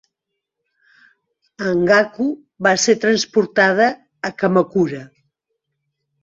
Hangaku va ser transportada a Kamakura.